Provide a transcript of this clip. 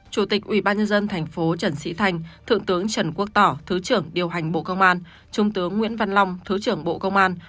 chủ tịch ubnd tp trần sĩ thành thượng tướng trần quốc tỏ thứ trưởng điều hành bộ công an trung tướng nguyễn văn long thứ trưởng bộ công an